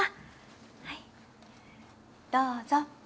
はいどうぞ。